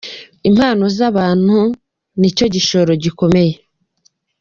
Impano z’abantu ni cyo gishoro gikomeye.